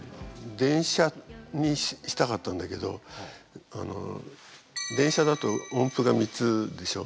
電車にしたかったんだけど電車だと音符が３つでしょ？